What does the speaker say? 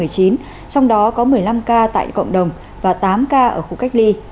trong đó có một mươi năm ca tại cộng đồng và tám ca ở khu cách ly